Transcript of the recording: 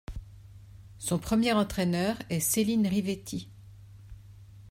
Son premier entraineur est Céline Rivetti.